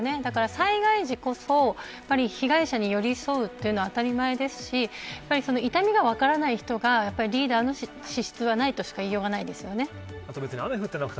災害時こそ、被害者に寄り添うというのは当たり前ですし痛みが分からない人がリーダーの資質はないとしかいいようがないです。